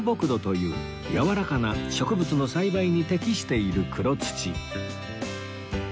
土というやわらかな植物の栽培に適している黒土